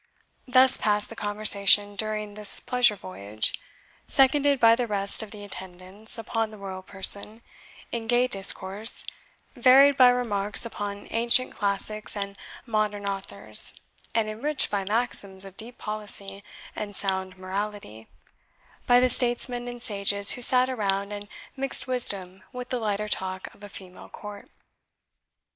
Thus passed the conversation during this pleasure voyage, seconded by the rest of the attendants upon the royal person, in gay discourse, varied by remarks upon ancient classics and modern authors, and enriched by maxims of deep policy and sound morality, by the statesmen and sages who sat around and mixed wisdom with the lighter talk of a female court.